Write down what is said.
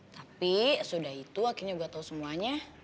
tapi sudah itu akhirnya gua tau semuanya